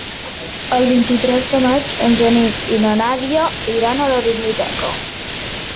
El vint-i-tres de maig en Genís i na Nàdia iran a la biblioteca.